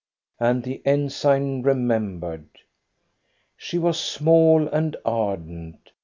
And the ensign remembered. She was small and ardent.